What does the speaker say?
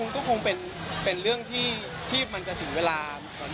ก็คงเป็นเรื่องที่มันจะถึงเวลา